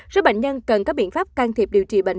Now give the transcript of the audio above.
do bệnh nhân cần các biện pháp can thiệp điều trị bệnh